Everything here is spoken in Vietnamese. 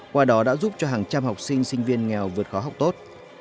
qua đó đã giúp cho hàng trăm học sinh sinh viên nghèo vượt khó học tốt